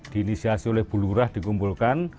diinisiasi oleh bulgurah dikumpulkan